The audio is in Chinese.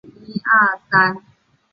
其兄刘雨凯也是演员与模特儿。